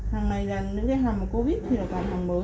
hàng này là những cái hàng mà covid thì là cả hàng mới